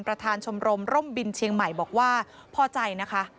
ประธานชมรมร่มบินเชียงใหม่บอกว่าพอใจนะคะ